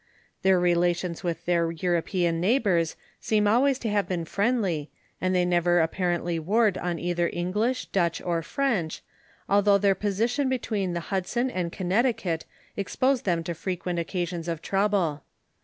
Their relations with their European neighbors seem always to have been friendly, and they never apparently warred on either English, Dutch, or French, although their position between the Hudson and Connecticut exposed them to frequent occasions of trouble.